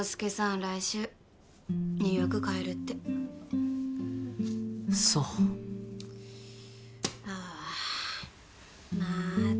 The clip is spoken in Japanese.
来週ニューヨーク帰るってそうああまた